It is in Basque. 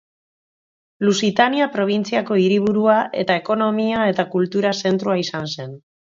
Lusitania probintziako hiriburua eta ekonomia eta kultura zentroa izan zen.